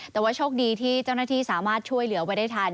แต่ว่าโชคดีที่เจ้าหน้าที่สามารถช่วยเหลือไว้ได้ทัน